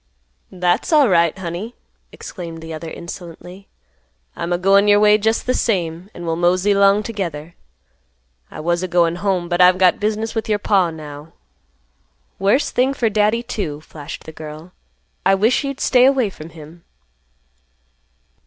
"That's alright, honey," exclaimed the other insolently. "I'm a goin' your way just th' same; an' we'll mosey 'long t'gether. I was a goin' home, but I've got business with your paw now." "Worse thing for Daddy, too," flashed the girl. "I wish you'd stay away from him."